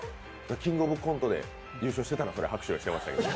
「キングオブコント」で優勝してたら拍手もしてたんですけどね。